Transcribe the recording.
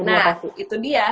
nah itu dia